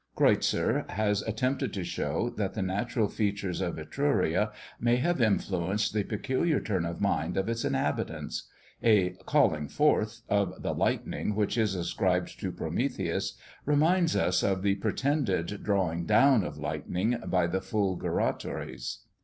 Creuzer has attempted to show, that the natural features of Etruria may have influenced the peculiar turn of mind of its inhabitants. A "calling forth" of the lightning, which is ascribed to Prometheus, reminds us of the pretended "drawing down" of lightning by the Fulguratores.